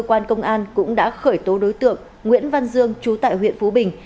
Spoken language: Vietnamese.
cơ quan công an cũng đã khởi tố đối tượng nguyễn văn dương trú tại huyện phú bình